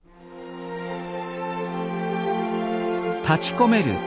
立ちこめる